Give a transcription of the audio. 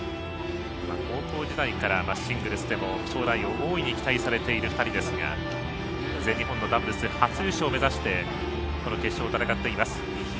高校時代からシングルスでも将来を大いに期待されている２人ですが全日本のダブルスで初優勝を目指してこの決勝を戦っています。